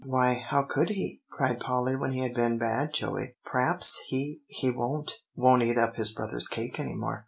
"Why, how could he?" cried Polly, "when he had been bad, Joey?" "P'raps he he won't won't eat up his brother's cake any more?"